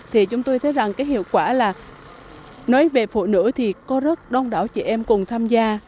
thì chúng tôi thấy rằng cái hiệu quả là nói về phụ nữ thì có rất đông đảo chị em cùng tham gia